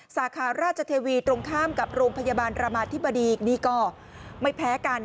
สาขาราชเทวีตรงข้ามกับโรงพยาบาลรามาธิบดีนี่ก็ไม่แพ้กัน